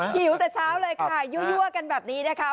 หิวแต่เช้าเลยค่ะ